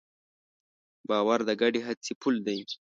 باور د ګډې هڅې پُل دی.